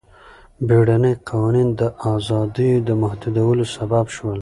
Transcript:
بیړني قوانین د ازادیو د محدودولو سبب شول.